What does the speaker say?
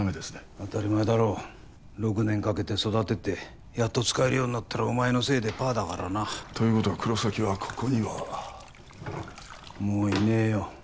当たり前だろ６年かけて育ててやっと使えるようになったらお前のせいでパーだからなということは黒崎はここにはもういねえよ